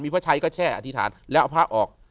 มีผักชัยก็แช่อธิษฐานแล้วพระออก